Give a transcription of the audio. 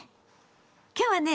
今日はね